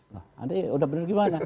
nanti udah benar gimana